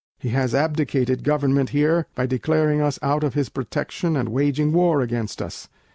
He has abdicated Government here, by declaring us out of his Protection and waging War against us.